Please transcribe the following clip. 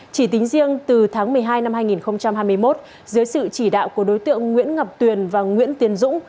chỉ tính riêng từ tháng một mươi hai năm hai nghìn hai mươi một dưới sự chỉ đạo của đối tượng nguyễn ngọc tuyền và nguyễn tiến dũng